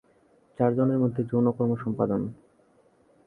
চারজনের মধ্যে যৌনকর্ম সম্পাদন।